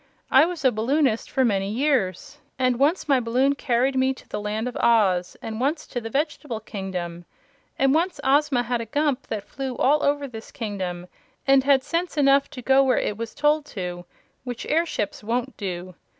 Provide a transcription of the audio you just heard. I was a balloonist for many years, and once my balloon carried me to the Land of Oz, and once to the Vegetable Kingdom. And once Ozma had a Gump that flew all over this kingdom and had sense enough to go where it was told to which airships won't do.